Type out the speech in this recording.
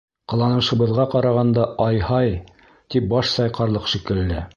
Ҡыланышыбыҙға ҡарағанда, ай-һай, тип баш сайҡарлыҡ шикелле...